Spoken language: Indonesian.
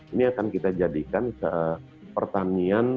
ini akan kita jadikan pertanian